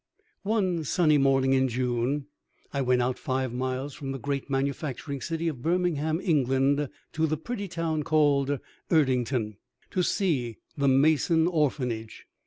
One sunny morning in June, I went out five miles from the great manufacturing city of Birmingham, England, to the pretty town called Erdington, to see the Mason Orphanage.